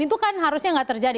itu kan harusnya nggak terjadi